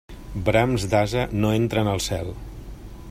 Brams d'ase no entren al cel.